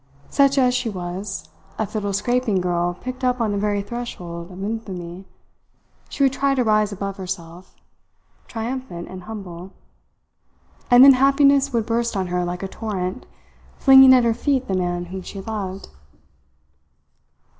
Such as she was, a fiddle scraping girl picked up on the very threshold of infamy, she would try to rise above herself, triumphant and humble; and then happiness would burst on her like a torrent, flinging at her feet the man whom she loved.